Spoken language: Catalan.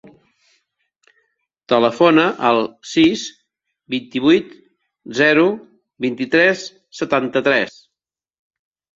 Telefona al sis, vint-i-vuit, zero, vint-i-tres, setanta-tres.